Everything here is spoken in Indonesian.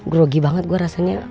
grogi banget gue rasanya